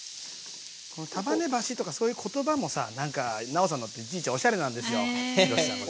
この束ねばしとかそういう言葉もさなんか尚さんのっていちいちおしゃれなんですよ廣瀬さん。